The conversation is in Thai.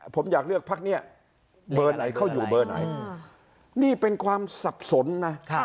ผมอยากเลือกพักนี้เบอร์ไหนเขาอยู่เบอร์ไหนนี่เป็นความสับสนนะ